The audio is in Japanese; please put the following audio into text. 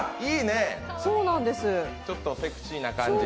ちょっとセクシーな感じで。